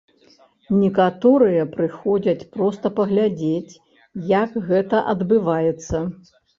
Некаторыя прыходзяць проста паглядзець, як гэта адбываецца.